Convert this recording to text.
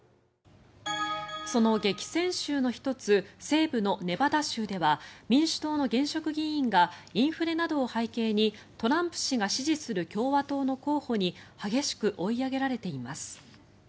その激戦州の１つ西部のネバダ州では民主党の現職議員がインフレなどを背景にトランプ氏が支持する共和党の候補に激しく追い上げられています。